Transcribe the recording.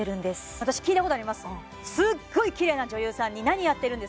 私聞いたことありますえっ！